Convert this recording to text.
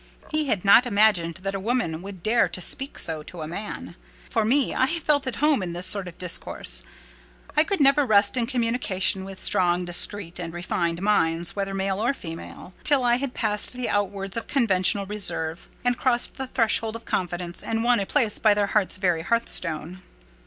He had not imagined that a woman would dare to speak so to a man. For me, I felt at home in this sort of discourse. I could never rest in communication with strong, discreet, and refined minds, whether male or female, till I had passed the outworks of conventional reserve, and crossed the threshold of confidence, and won a place by their heart's very hearthstone.